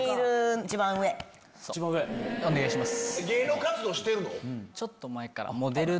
お願いします。